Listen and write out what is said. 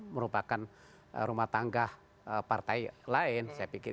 merupakan rumah tangga partai lain saya pikir